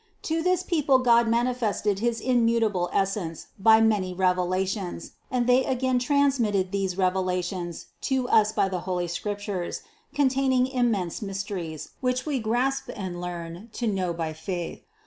To this people God manifested his immutable Es sence by many revelations, and they again transmitted these revelations to us by the holy Scriptures, contain ing immense mysteries, which we grasp and learn to know by faith.